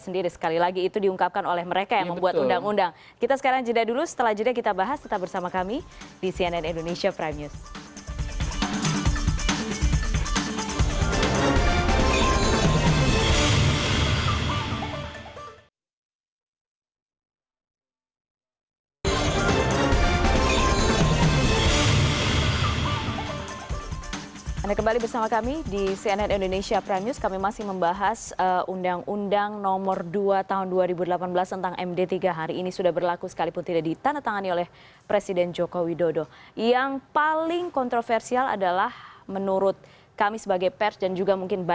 sendiri sekali lagi itu diungkapkan oleh mereka